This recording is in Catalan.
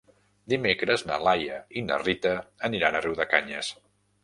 Dimecres na Laia i na Rita aniran a Riudecanyes.